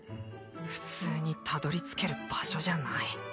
普通にたどり着ける場所じゃない？